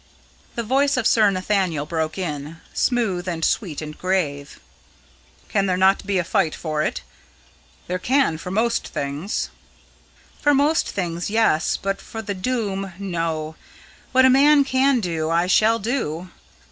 The voice of Sir Nathaniel broke in, smooth and sweet and grave. "Can there not be a fight for it? There can for most things." "For most things, yes, but for the Doom, no. What a man can do I shall do.